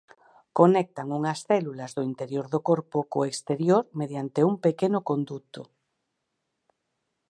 Conectan unhas células do interior do corpo co exterior mediante un pequeno conduto.